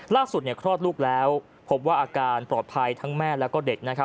ล่าสุดคลอดลูกแล้วพบว่าอาการปลอดภัยทั้งแม่และเด็ก